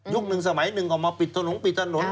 ยุคหนึ่งสมัยหนึ่งเอามาปิดถนน